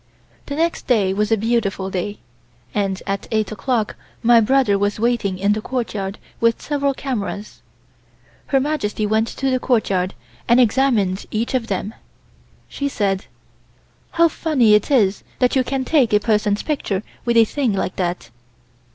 The next day was a beautiful day, and at eight o'clock my brother was waiting in the courtyard with several cameras. Her Majesty went to the courtyard and examined each of them. She said: "How funny it is that you can take a person's picture with a thing like that."